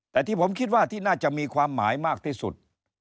แต่ที่ผมคิดว่าที่น่าจะมีความหมายมากที่สุด